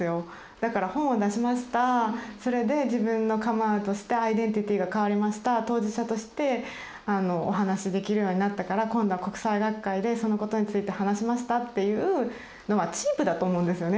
だから本を出しましたそれで自分のカムアウトしてアイデンティティーが変わりました当事者としてお話しできるようになったから今度は国際学会でそのことについて話しましたっていうのはチープだと思うんですよね